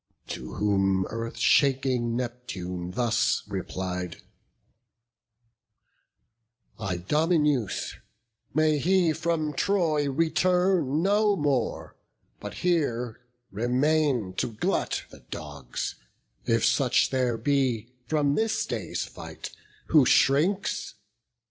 To whom Earth shaking Neptune thus replied: "Idomeneus, may he from Troy return No more, but here remain to glut the dogs, If such there be, from this day's fight who shrinks.